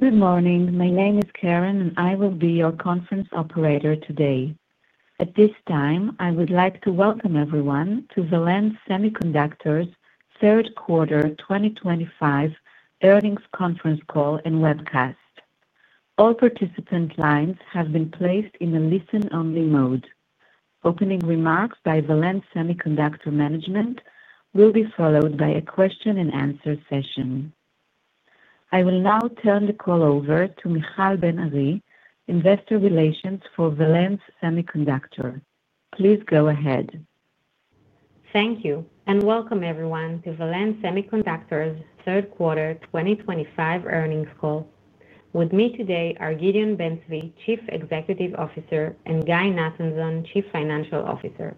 Good morning. My name is Karen, and I will be your conference operator today. At this time, I would like to Welcome everyone to Valens Semiconductor's Third Quarter 2025 Earnings Conference Call and webcast. All participant lines have been placed in a listen-only mode. Opening remarks by Valens Semiconductor Management will be followed by a question-and-answer session. I will now turn the call over to Michal Ben Ari, Investor Relations for Valens Semiconductor. Please go ahead. Thank you, and Welcome everyone to Valens Semiconductor's Third Quarter 2025 Earnings Call. With me today are Gideon Ben-Zvi, Chief Executive Officer, and Guy Nathanzon, Chief Financial Officer.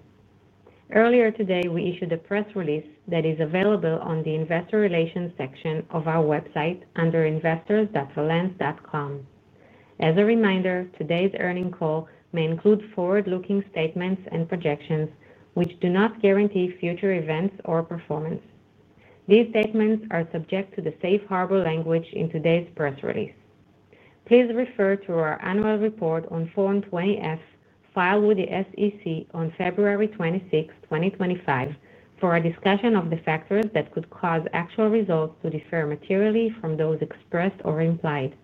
Earlier today, we issued a press release that is available on the Investor Relations section of our website under investors.valens.com. As a reminder, today's earnings call may include forward-looking statements and projections, which do not guarantee future events or performance. These statements are subject to the safe harbor language in today's press release. Please refer to our annual report on Form 20F filed with the SEC on February 26, 2025, for a discussion of the factors that could cause actual results to differ materially from those expressed or implied.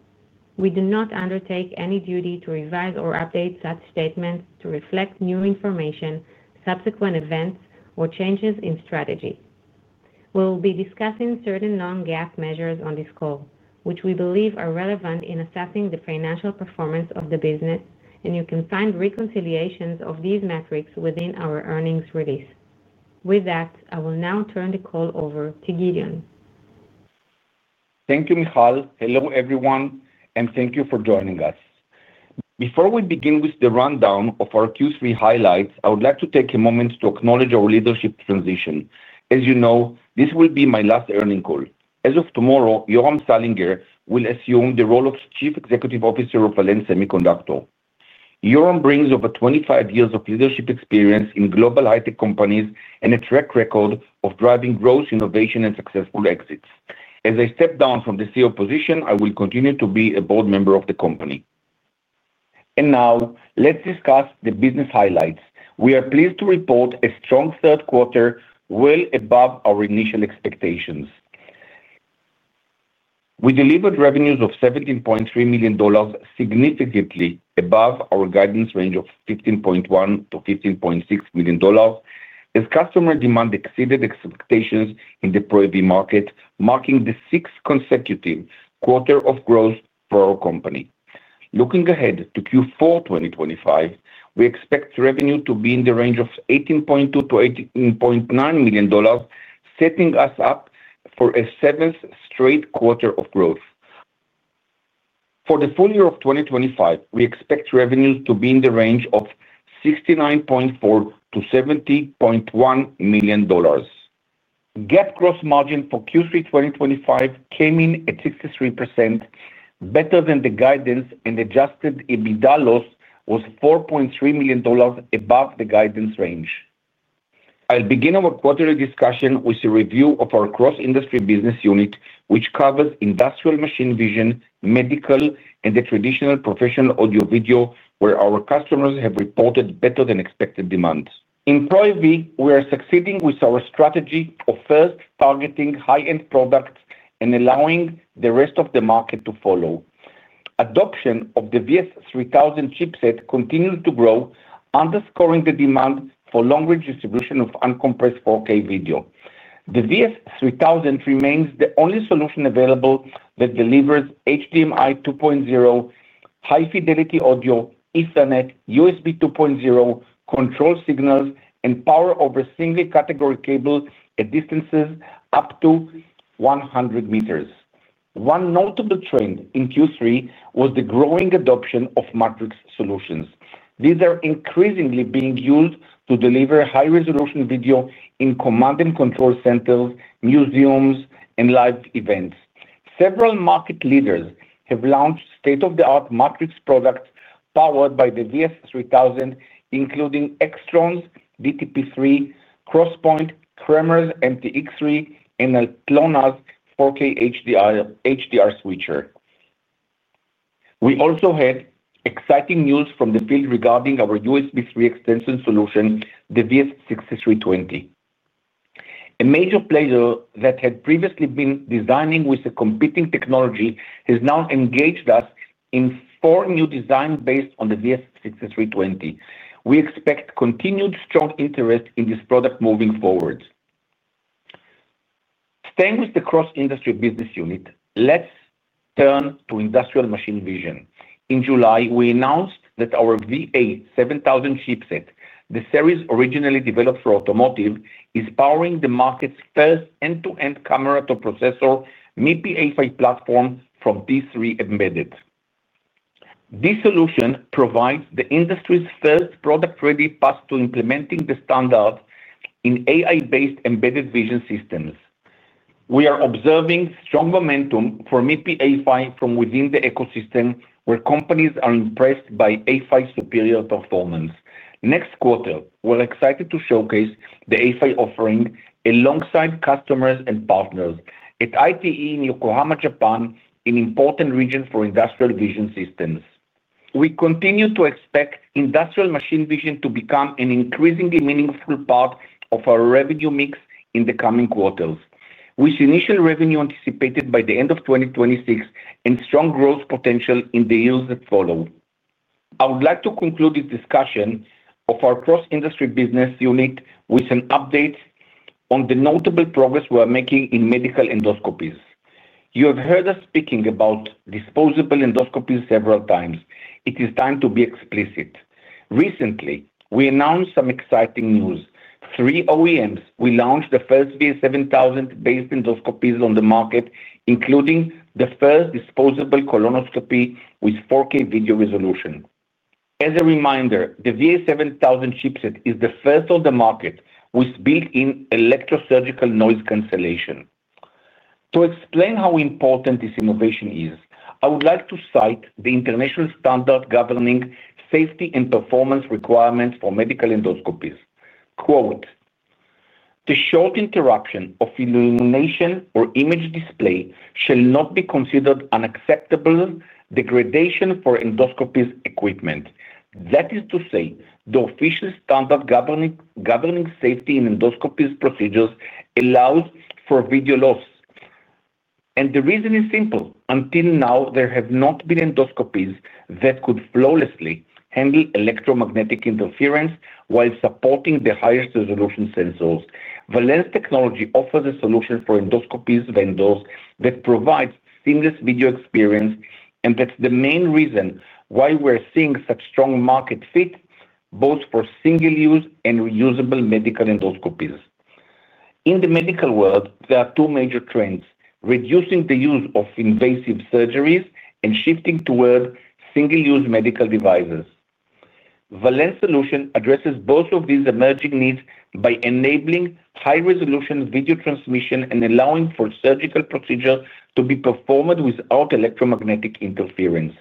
We do not undertake any duty to revise or update such statements to reflect new information, subsequent events, or changes in strategy. We will be discussing certain non-GAAP measures on this call, which we believe are relevant in assessing the financial performance of the business, and you can find reconciliations of these metrics within our earnings release. With that, I will now turn the call over to Gideon. Thank you, Michal. Hello, everyone, and thank you for joining us. Before we begin with the rundown of our Q3 highlights, I would like to take a moment to acknowledge our leadership transition. As you know, this will be my last earnings call. As of tomorrow, Yoram Salinger will assume the role of Chief Executive Officer of Valens Semiconductor. Yoram brings over 25 years of leadership experience in global high-tech companies and a track record of driving growth, innovation, and successful exits. As I step down from the CEO position, I will continue to be a board member of the company. Now, let's discuss the business highlights. We are pleased to report a strong third quarter, well above our initial expectations. We delivered revenue of $17.3 million, significantly above our guidance range of $15.1 million-$15.6 million, as customer demand exceeded expectations in the POEV market, marking the sixth consecutive quarter of growth for our company. Looking ahead to Q4 2025, we expect revenue to be in the range of $18.2 million-$18.9 million, setting us up for a seventh straight quarter of growth. For the full year of 2025, we expect revenues to be in the range of $69.4million-$70.1 million. GAAP gross margin for Q3 2025 came in at 63%, better than the guidance, and adjusted EBITDA loss was $4.3 million above the guidance range. I'll begin our quarterly discussion with a review of our cross-industry business unit, which covers industrial machine vision, medical, and the traditional professional audio-video, where our customers have reported better-than-expected demand. In POEV, we are succeeding with our strategy of first targeting high-end products and allowing the rest of the market to follow. Adoption of the VS3000 chipset continues to grow, underscoring the demand for long-range distribution of uncompressed 4K video. The VS3000 remains the only solution available that delivers HDMI 2.0, high-fidelity audio, Ethernet, USB 2.0, control signals, and power over single-category cable at distances up to 100 meters. One notable trend in Q3 was the growing adoption of Matrix solutions. These are increasingly being used to deliver high-resolution video in command and control centers, museums, and live events. Several market leaders have launched state-of-the-art Matrix products powered by the VS3000, including Extron's DTP3 CrossPoint, Kramer's MTX3, and Altona's 4K HDR switcher. We also had exciting news from the field regarding our USB 3.0 extension solution, the VS6320. A major player that had previously been designing with a competing technology has now engaged us in four new designs based on the VS6320. We expect continued strong interest in this product moving forward. Staying with the Cross-Industry Business unit, let's turn to industrial machine vision. In July, we announced that our VA7000 chipset, the series originally developed for automotive, is powering the market's first end-to-end camera to processor MIPI A-PHY platform from P3 embedded. This solution provides the industry's first product-ready path to implementing the standard in AI-based embedded vision systems. We are observing strong momentum for MIPI A-PHY from within the ecosystem, where companies are impressed by A-PHY superior performance. Next quarter, we're excited to showcase the A-PHY offering alongside customers and partners at ITE in Yokohama, Japan, an important region for industrial vision systems. We continue to expect industrial machine vision to become an increasingly meaningful part of our revenue mix in the coming quarters, with initial revenue anticipated by the end of 2026 and strong growth potential in the years that follow. I would like to conclude this discussion of our cross-industry business unit with an update on the notable progress we are making in medical endoscopies. You have heard us speaking about disposable endoscopies several times. It is time to be explicit. Recently, we announced some exciting news. Three OEMs will launch the first VA7000-based endoscopies on the market, including the first disposable colonoscopy with 4K video resolution. As a reminder, the VA7000 chipset is the first on the market with built-in electrosurgical noise cancellation. To explain how important this innovation is, I would like to cite the international standard governing safety and performance requirements for medical endoscopies. Quote, "The short interruption of illumination or image display shall not be considered unacceptable degradation for endoscopy equipment." That is to say, the official standard governing safety in endoscopy procedures allows for video loss. The reason is simple. Until now, there have not been endoscopies that could flawlessly handle electromagnetic interference while supporting the highest resolution sensors. Valens Semiconductor offers a solution for endoscopy vendors that provides seamless video experience, and that's the main reason why we're seeing such strong market fit, both for single-use and reusable medical endoscopies. In the medical world, there are two major trends: reducing the use of invasive surgeries and shifting toward single-use medical devices. Valens Semiconductor solution addresses both of these emerging needs by enabling high-resolution video transmission and allowing for surgical procedures to be performed without electromagnetic interference.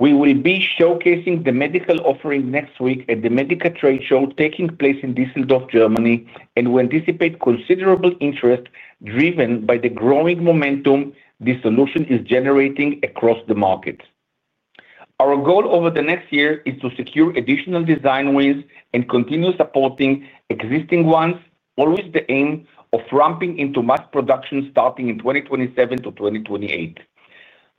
We will be showcasing the medical offering next week at the MedicaTrade Show taking place in Düsseldorf, Germany, and we anticipate considerable interest driven by the growing momentum this solution is generating across the market. Our goal over the next year is to secure additional design wins and continue supporting existing ones, always with the aim of ramping into mass production starting in 2027-2028.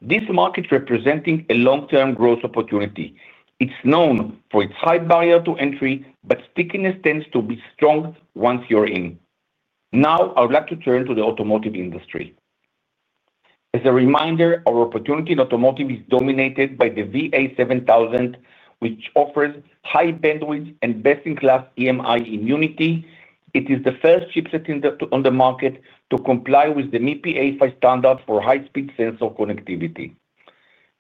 This market is representing a long-term growth opportunity. It's known for its high barrier to entry, but stickiness tends to be strong once you're in. Now, I would like to turn to the automotive industry. As a reminder, our opportunity in automotive is dominated by the VA7000, which offers high bandwidth and best-in-class EMI immunity. It is the first chipset on the market to comply with the MIPI A-PHY standard for high-speed sensor connectivity.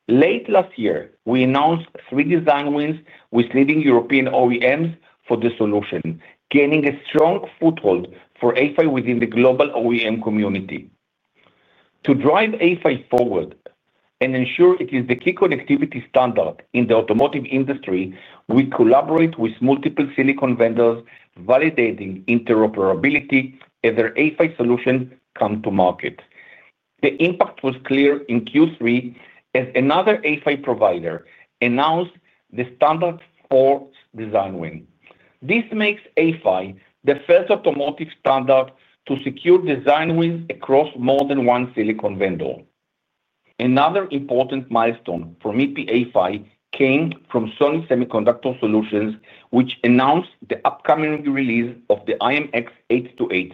Late last year, we announced three design wins with leading European OEMs for the solution, gaining a strong foothold for A5 within the global OEM community. To drive A5 forward and ensure it is the key connectivity standard in the automotive industry, we collaborate with multiple silicon vendors validating interoperability as their A5 solution comes to market. The impact was clear in Q3 as another A5 provider announced the standard fourth design win. This makes A5 the first automotive standard to secure design wins across more than one silicon vendor. Another important milestone for MIPI A-PHY came from Sony Semiconductor Solutions, which announced the upcoming release of the IMX828,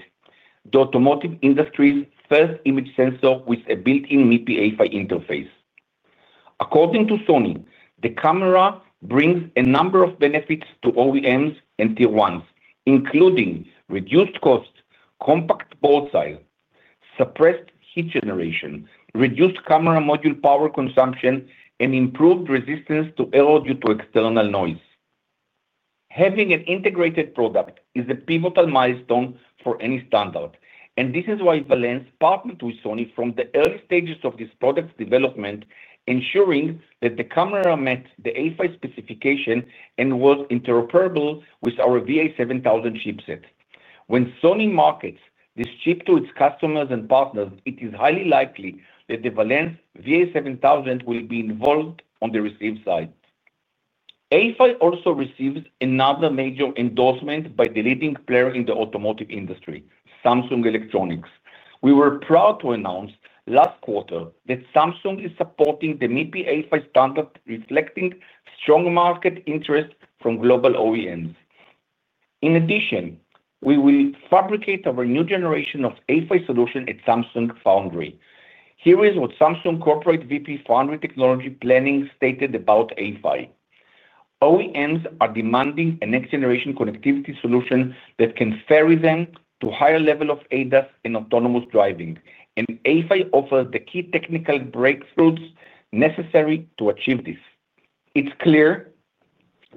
the automotive industry's first image sensor with a built-in MIPI A-PHY interface. According to Sony, the camera brings a number of benefits to OEMs and Tier 1s, including reduced cost, compact ball size, suppressed heat generation, reduced camera module power consumption, and improved resistance to LO due to external noise. Having an integrated product is a pivotal milestone for any standard, and this is why Valens partnered with Sony from the early stages of this product's development, ensuring that the camera met the A5 specification and was interoperable with our VA7000 chipset. When Sony markets this chip to its customers and partners, it is highly likely that the Valens VA7000 will be involved on the receive side. A5 also receives another major endorsement by the leading player in the automotive industry, Samsung Electronics. We were proud to announce last quarter that Samsung is supporting the MIPI A5 standard, reflecting strong market interest from global OEMs. In addition, we will fabricate our new generation of A5 solution at Samsung Foundry. Here is what Samsung Corporate VP Foundry Technology Planning stated about A5. OEMs are demanding a next-generation connectivity solution that can ferry them to a higher level of ADAS and autonomous driving, and A5 offers the key technical breakthroughs necessary to achieve this. It's clear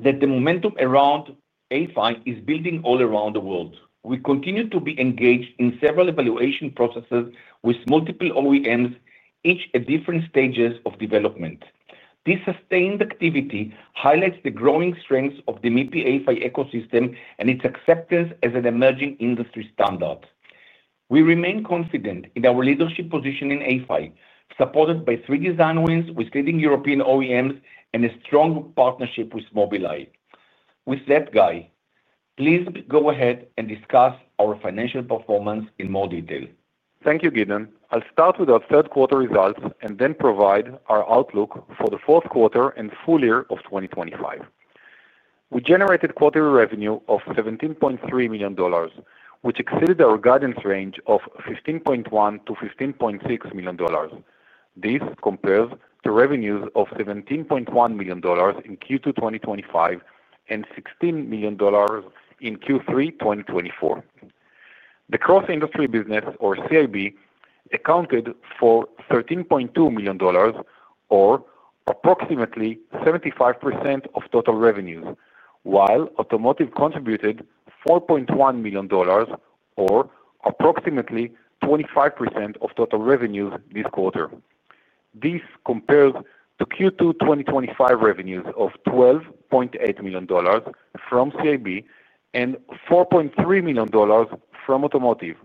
that the momentum around A5 is building all around the world. We continue to be engaged in several evaluation processes with multiple OEMs, each at different stages of development. This sustained activity highlights the growing strengths of the MIPI A5 ecosystem and its acceptance as an emerging industry standard. We remain confident in our leadership position in A5, supported by three design wins with leading European OEMs and a strong partnership with Mobileye. With that, Guy, please go ahead and discuss our financial performance in more detail. Thank you, Gideon. I'll start with our third quarter results and then provide our outlook for the fourth quarter and full year of 2025. We generated quarterly revenue of $17.3 million, which exceeded our guidance range of $15.1 million-$15.6 million. This compares to revenues of $17.1 million in Q2 2025 and $16 million in Q3 2024. The cross-industry business, or CIB, accounted for $13.2 million, or approximately 75% of total revenues, while automotive contributed $4.1 million, or approximately 25% of total revenues this quarter. This compares to Q2 2025 revenues of $12.8 million from CIB and $4.3 million from automotive,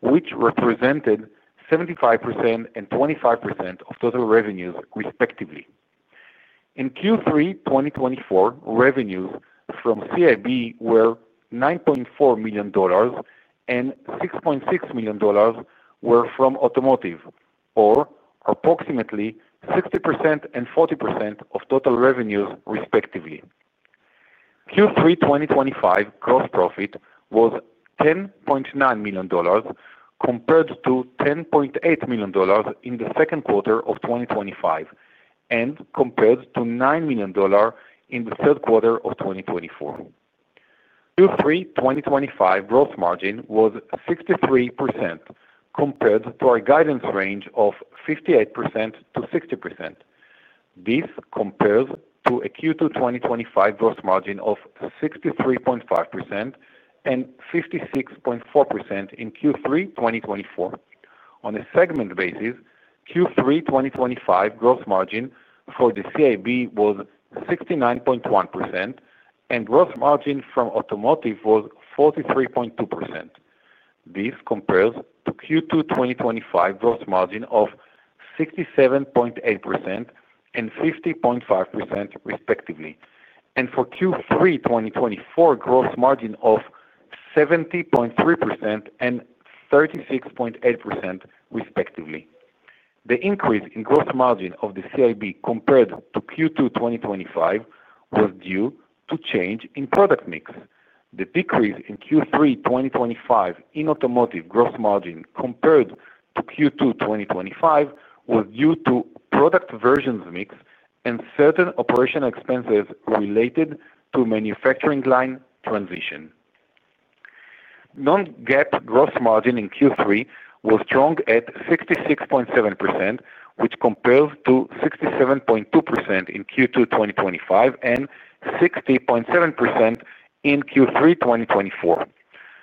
which represented 75% and 25% of total revenues, respectively. In Q3 2024, revenues from CIB were $9.4 million and $6.6 million were from automotive, or approximately 60% and 40% of total revenues, respectively. Q3 2025 gross profit was $10.9 million, compared to $10.8 million in the second quarter of 2025 and compared to $9 million in the third quarter of 2024. Q3 2025 gross margin was 63%, compared to our guidance range of 58%-60%. This compares to a Q2 2025 gross margin of 63.5% and 56.4% in Q3 2024. On a segment basis, Q3 2025 gross margin for the CIB was 69.1%, and gross margin from automotive was 43.2%. This compares to Q2 2025 gross margin of 67.8% and 50.5%, respectively, and for Q3 2024, gross margin of 70.3% and 36.8%, respectively. The increase in gross margin of the CIB compared to Q2 2025 was due to change in product mix. The decrease in Q3 2025 in automotive gross margin compared to Q2 2025 was due to product versions mix and certain operational expenses related to manufacturing line transition. Non-GAAP gross margin in Q3 was strong at 66.7%, which compares to 67.2% in Q2 2025 and 60.7% in Q3 2024.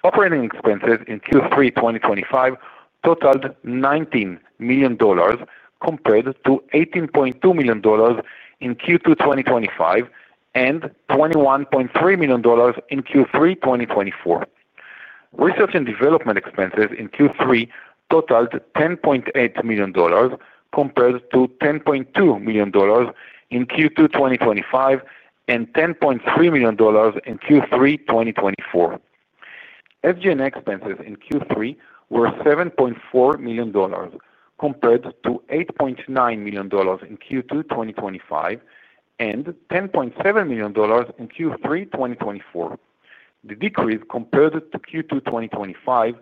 Operating expenses in Q3 2025 totaled $19 million compared to $18.2 million in Q2 2025 and $21.3 million in Q3 2024. Research and development expenses in Q3 totaled $10.8 million compared to $10.2 million in Q2 2025 and $10.3 million in Q3 2024. SG&A expenses in Q3 were $7.4 million compared to $8.9 million in Q2 2025 and $10.7 million in Q3 2024. The decrease compared to Q2 2025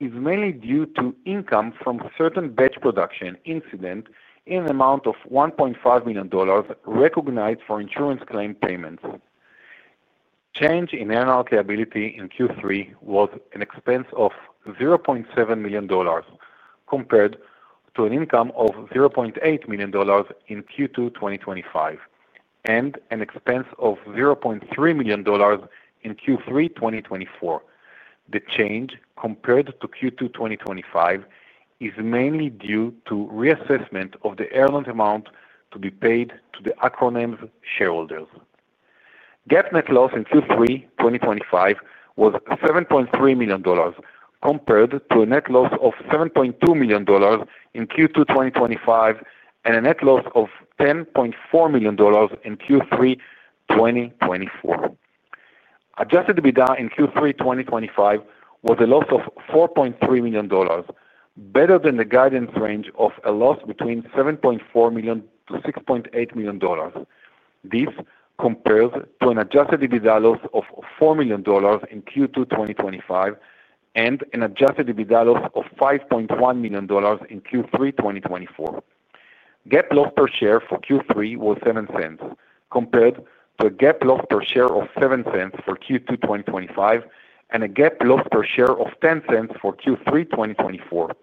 is mainly due to income from certain batch production incidents in an amount of $1.5 million recognized for insurance claim payments. Change in annual liability in Q3 was an expense of $0.7 million compared to an income of $0.8 million in Q2 2025 and an expense of $0.3 million in Q3 2024. The change compared to Q2 2025 is mainly due to reassessment of the earnout amount to be paid to the acronyms shareholders. GAAP net loss in Q3 2025 was $7.3 million compared to a net loss of $7.2 million in Q2 2025 and a net loss of $10.4 million in Q3 2024. Adjusted EBITDA in Q3 2025 was a loss of $4.3 million, better than the guidance range of a loss between $7.4 million-$6.8 million. This compares to an adjusted EBITDA loss of $4 million in Q2 2025 and an adjusted EBITDA loss of $5.1 million in Q3 2024. GAAP loss per share for Q3 was $0.07, compared to a GAAP loss per share of $0.07 for Q2 2025 and a GAAP loss per share of $0.10 for Q3 2024.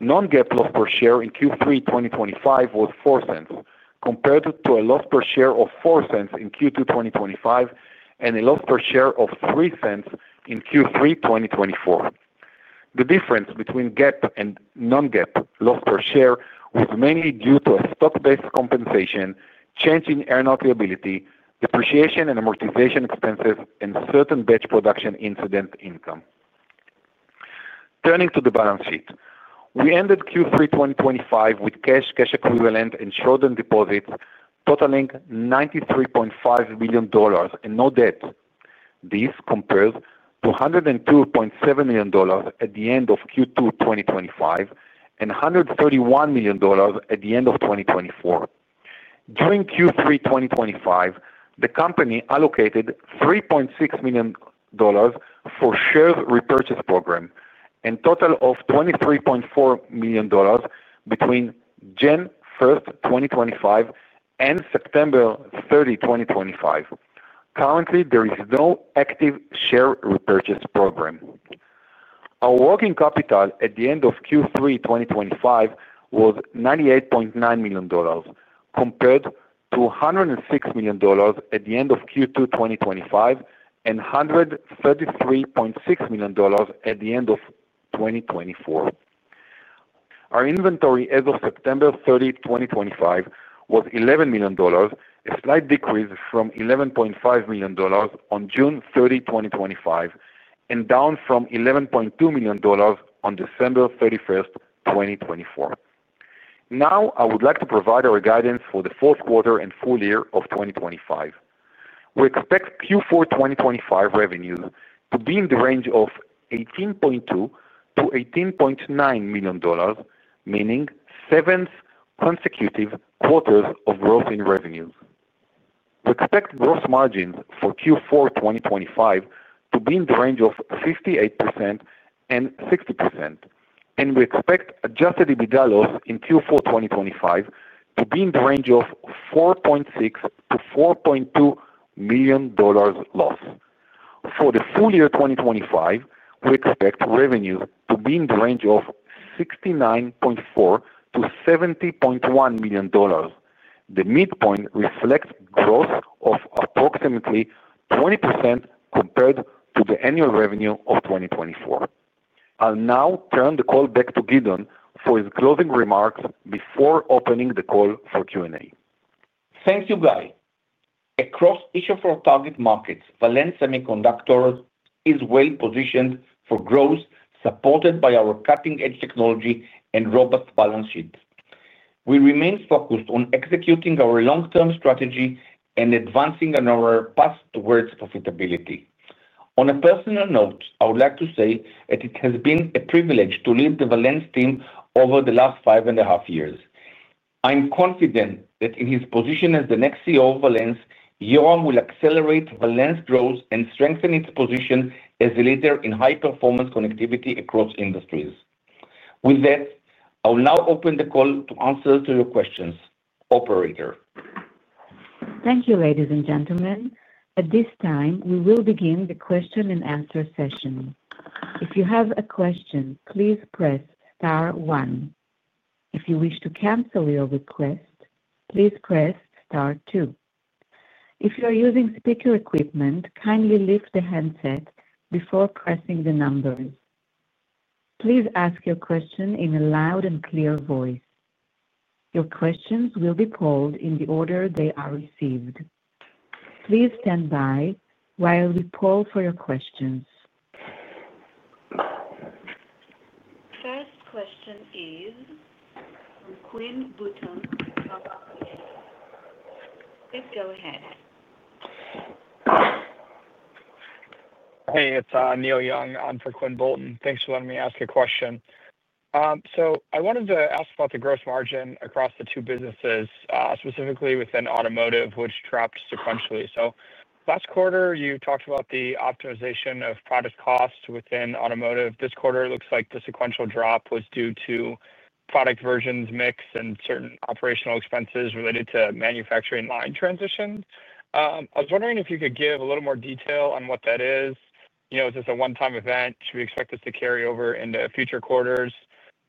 Non-GAAP loss per share in Q3 2025 was $0.04, compared to a loss per share of $0.04 in Q2 2025 and a loss per share of $0.03 in Q3 2024. The difference between GAAP and non-GAAP loss per share was mainly due to stock-based compensation, change in warrant liability, depreciation and amortization expenses, and certain batch production incident income. Turning to the balance sheet, we ended Q3 2025 with cash, cash equivalents, and short-term deposits totaling $93.5 million and no debt. This compares to $102.7 million at the end of Q2 2025 and $131 million at the end of 2024. During Q3 2025, the company allocated $3.6 million for share repurchase program and a total of $23.4 million between June 1, 2025, and September 30, 2025. Currently, there is no active share repurchase program. Our working capital at the end of Q3 2025 was $98.9 million, compared to $106 million at the end of Q2 2025 and $133.6 million at the end of 2024. Our inventory as of September 30, 2025, was $11 million, a slight decrease from $11.5 million on June 30, 2025, and down from $11.2 million on December 31, 2024. Now, I would like to provide our guidance for the fourth quarter and full year of 2025. We expect Q4 2025 revenues to be in the range of $18.2 million-$18.9 million, meaning seventh consecutive quarters of growth in revenues. We expect gross margins for Q4 2025 to be in the range of 58%-60%, and we expect adjusted EBITDA loss in Q4 2025 to be in the range of $4.6 million-$4.2 million loss. For the full year 2025, we expect revenues to be in the range of $69.4 million-$70.1 million. The midpoint reflects growth of approximately 20% compared to the annual revenue of 2024. I'll now turn the call back to Gideon for his closing remarks before opening the call for Q&A. Thank you, Guy. Across each of our target markets, Valens Semiconductor is well positioned for growth, supported by our cutting-edge technology and robust balance sheet. We remain focused on executing our long-term strategy and advancing on our path towards profitability. On a personal note, I would like to say that it has been a privilege to lead the Valens team over the last five and a half years. I'm confident that in his position as the next CEO of Valens, Yoram will accelerate Valens' growth and strengthen its position as a leader in high-performance connectivity across industries. With that, I'll now open the call to answer your questions, Operator. Thank you, ladies and gentlemen. At this time, we will begin the question-and-answer session. If you have a question, please press Star one. If you wish to cancel your request, please press Star two. If you are using speaker equipment, kindly lift the handset before pressing the numbers. Please ask your question in a loud and clear voice. Your questions will be polled in the order they are received. Please stand by while we poll for your questions. First question is from Quinn Bolton. Please go ahead. Hey, it's Neil Young. I'm for Quinn Boulton. Thanks for letting me ask a question. I wanted to ask about the gross margin across the two businesses, specifically within automotive, which dropped sequentially. Last quarter, you talked about the optimization of product costs within automotive. This quarter, it looks like the sequential drop was due to product versions mix and certain operational expenses related to manufacturing line transitions. I was wondering if you could give a little more detail on what that is. Is this a one-time event? Should we expect this to carry over into future quarters?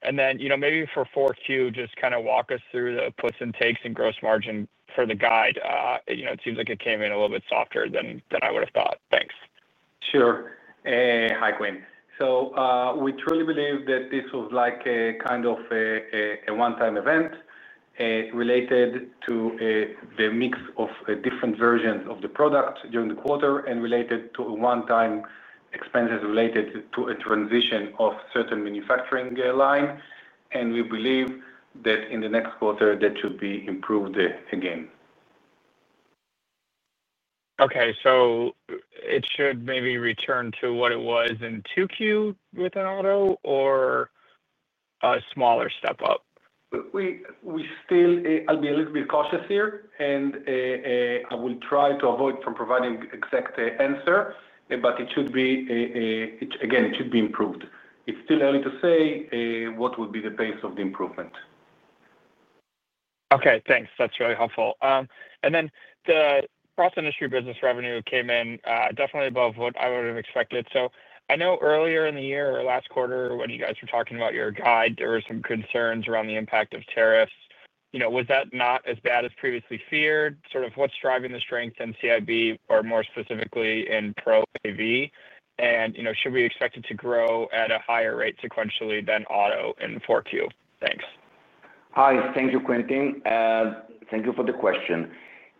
For 4Q, just kind of walk us through the plus and takes in gross margin for the guide. It seems like it came in a little bit softer than I would have thought. Thanks. Sure. Hi, Quinn. We truly believe that this was like a kind of a one-time event related to the mix of different versions of the product during the quarter and related to one-time expenses related to a transition of certain manufacturing line. We believe that in the next quarter, that should be improved again. Okay. So it should maybe return to what it was in 2Q with an auto or a smaller step up? I'll be a little bit cautious here, and I will try to avoid providing an exact answer, but it should be—again, it should be improved. It's still early to say what would be the pace of the improvement. Okay. Thanks. That's really helpful. Then the cross-industry business revenue came in definitely above what I would have expected. I know earlier in the year or last quarter when you guys were talking about your guide, there were some concerns around the impact of tariffs. Was that not as bad as previously feared? Sort of what's driving the strength in CIB, or more specifically in Pro AV? Should we expect it to grow at a higher rate sequentially than auto in 4Q? Thanks. Hi. Thank you, Quentin. Thank you for the question.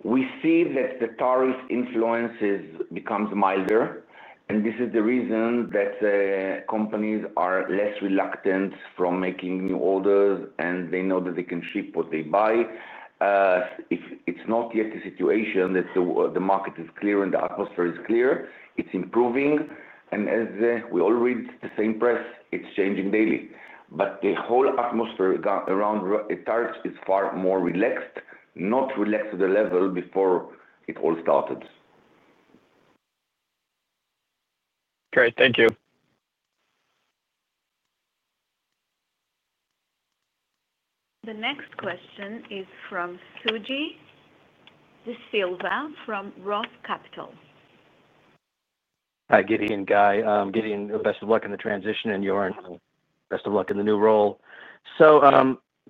We see that the tariff influence becomes milder, and this is the reason that companies are less reluctant from making new orders, and they know that they can ship what they buy. It's not yet the situation that the market is clear and the atmosphere is clear. It's improving. As we all read the same press, it's changing daily. The whole atmosphere around tariffs is far more relaxed, not relaxed to the level before it all started. Great. Thank you. The next question is from Suji Desilva from ROTH Capital Partners. Hi, Gideon, Guy. Gideon, best of luck in the transition, and Yoram, best of luck in the new role.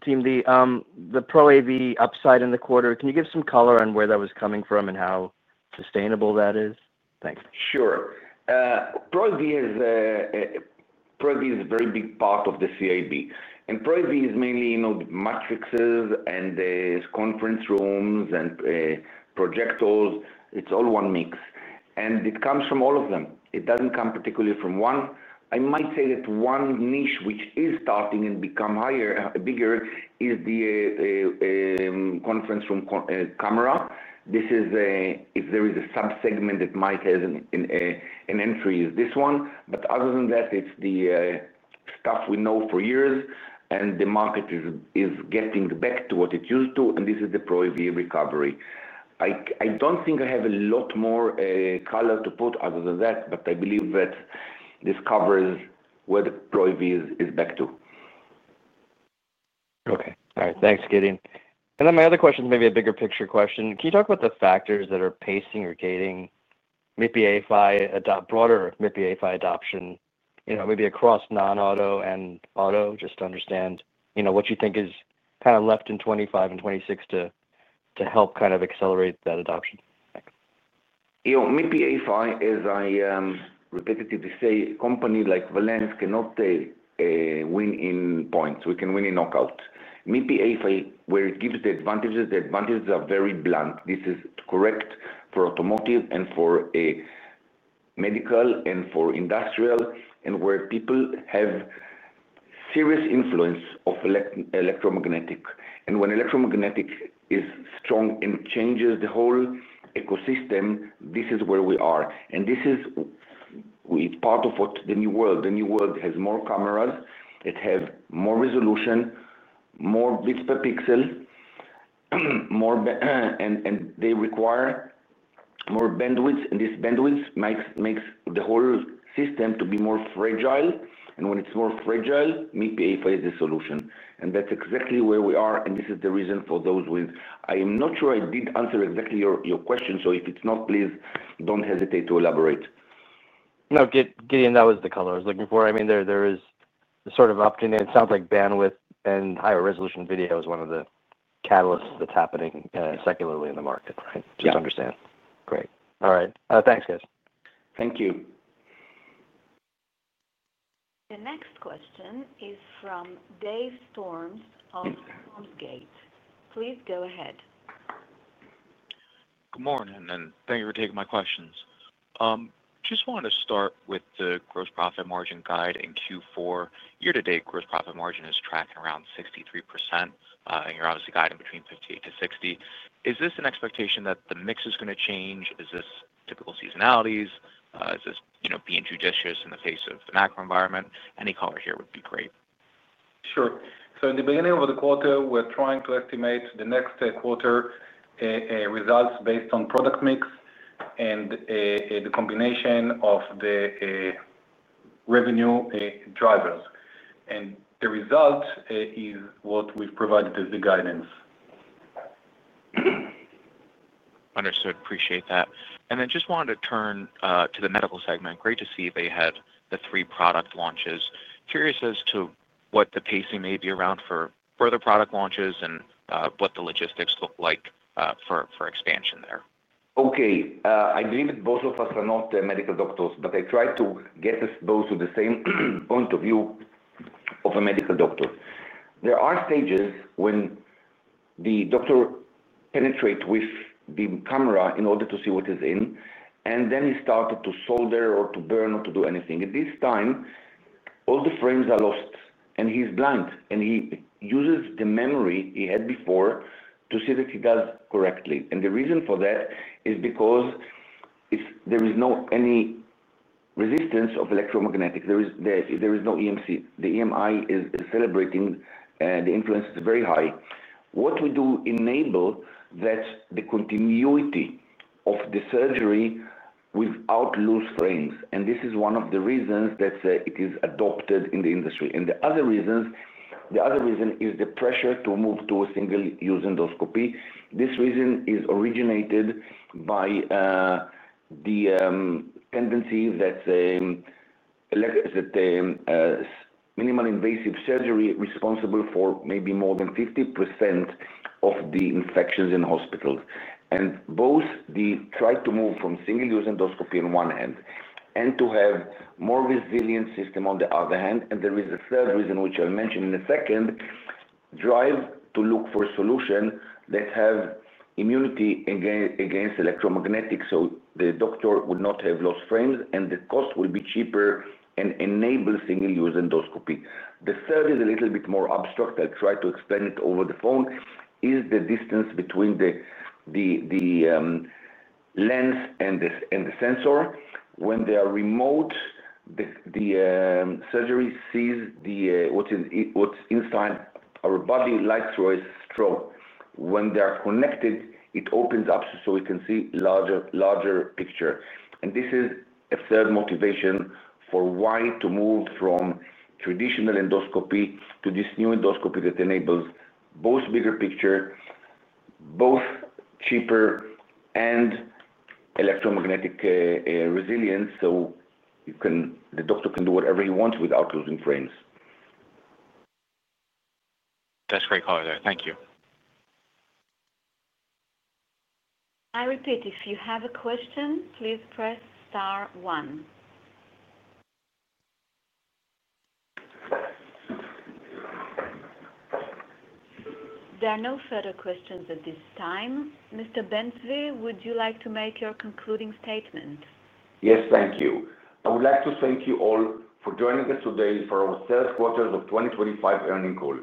Team, the Pro AV upside in the quarter, can you give some color on where that was coming from and how sustainable that is? Thanks. Sure. Pro AV is a very big part of the CIB. Pro AV is mainly matrices and conference rooms and projectors. It's all one mix. It comes from all of them. It doesn't come particularly from one. I might say that one niche which is starting and becoming bigger is the conference room camera. This is if there is a subsegment that might have an entry, it's this one. Other than that, it's the stuff we know for years, and the market is getting back to what it used to, and this is the Pro AV recovery. I don't think I have a lot more color to put other than that, but I believe that this covers where the Pro AV is back to. Okay. All right. Thanks, Gideon. And then my other question is maybe a bigger picture question. Can you talk about the factors that are pacing or gating MIPI A-PHY adoption, maybe across non-auto and auto, just to understand what you think is kind of left in 2025 and 2026 to help kind of accelerate that adoption? MIPI A-PHY is, I repetitively say, a company like Valens cannot win in points. We can win in knockout. MIPI A-PHY, where it gives the advantages, the advantages are very blunt. This is correct for automotive and for medical and for industrial, and where people have serious influence of electromagnetic. When electromagnetic is strong and changes the whole ecosystem, this is where we are. This is part of the new world. The new world has more cameras that have more resolution, more bits per pixel, and they require more bandwidth. This bandwidth makes the whole system to be more fragile. When it's more fragile, MIPI A-PHY is the solution. That's exactly where we are. This is the reason for those with—I am not sure I did answer exactly your question. If it's not, please don't hesitate to elaborate. No, Gideon, that was the color I was looking for. I mean, there is sort of opt-in, and it sounds like bandwidth and higher resolution video is one of the catalysts that's happening secularly in the market, right. Just understand. Yeah. Great. All right. Thanks, guys. Thank you. The next question is from Dave Storm of Stonegate. Please go ahead. Good morning, and thank you for taking my questions. Just wanted to start with the gross profit margin guide in Q4. Year-to-date gross profit margin is tracking around 63%, and you're obviously guiding between 58%-60%. Is this an expectation that the mix is going to change? Is this typical seasonalities? Is this being judicious in the face of the macro environment? Any color here would be great. Sure. In the beginning of the quarter, we're trying to estimate the next quarter results based on product mix and the combination of the revenue drivers. The result is what we've provided as the guidance. Understood. Appreciate that. I just wanted to turn to the medical segment. Great to see they had the three product launches. Curious as to what the pacing may be around for further product launches and what the logistics look like for expansion there. Okay. I believe that both of us are not medical doctors, but I try to get us both to the same point of view of a medical doctor. There are stages when the doctor penetrates with the camera in order to see what is in, and then he started to solder or to burn or to do anything. At this time, all the frames are lost, and he's blind. He uses the memory he had before to see that he does correctly. The reason for that is because there is not any resistance of electromagnetic. There is no EMC. The EMI is celebrating. The influence is very high. What we do enables the continuity of the surgery without loose frames. This is one of the reasons that it is adopted in the industry. The other reason is the pressure to move to a single-use endoscopy. This reason is originated by the tendency that minimal invasive surgery is responsible for maybe more than 50% of the infections in hospitals. Both try to move from single-use endoscopy on one hand and to have a more resilient system on the other hand. There is a third reason, which I'll mention in a second, drives to look for a solution that has immunity against electromagnetic. The doctor would not have lost frames, and the cost will be cheaper and enables single-use endoscopy. The third is a little bit more abstract. I'll try to explain it over the phone. It's the distance between the lens and the sensor. When they are remote, the surgery sees what's inside our body like through a strobe. When they are connected, it opens up so we can see a larger picture. This is a third motivation for why to move from traditional endoscopy to this new endoscopy that enables both bigger picture, both cheaper, and electromagnetic resilience so the doctor can do whatever he wants without losing frames. That's great color there. Thank you. I repeat, if you have a question, please press Star one. There are no further questions at this time. Mr. Ben-Zvi, would you like to make your concluding statement. Yes, thank you. I would like to thank you all for joining us today for our third quarter of 2025 earnings call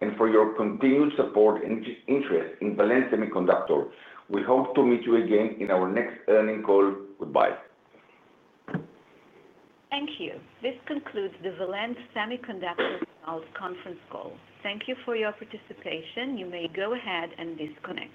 and for your continued support and interest in Valens Semiconductor. We hope to meet you again in our next earnings call. Goodbye. Thank you. This concludes the Valens Semiconductor Conference Call. Thank you for your participation. You may go ahead and disconnect.